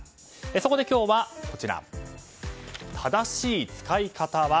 そこで今日は、正しい使い方は？